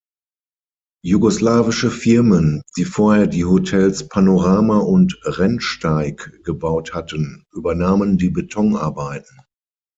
Jugoslawische Firmen, die vorher die Hotels "Panorama" und "Rennsteig" gebaut hatten, übernahmen die Betonarbeiten.